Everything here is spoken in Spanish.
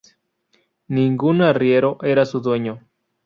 Ningún arriero era su dueño.